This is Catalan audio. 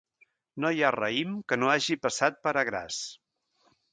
No hi ha raïm que no hagi passat per agràs.